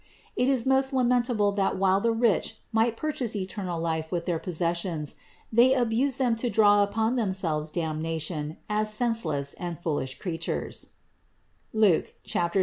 It is most lamentable that while the rich might purchase eternal life with their possessions, they abuse them to draw upon themselves damnation as sense less and foolish creatures (Luke 16, 9).